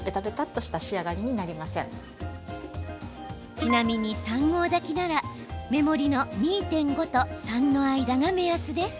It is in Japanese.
ちなみに３合炊きなら目盛りの２．５と３の間が目安です。